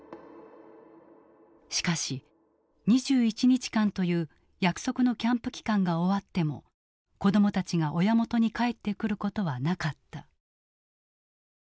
しかし２１日間という約束のキャンプ期間が終わっても子どもたちが親元に帰ってくることはなかった。